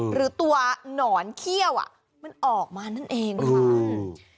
หรือตัวหนอนเขี้ยวอ่ะมันออกมานั่นเองค่ะอืม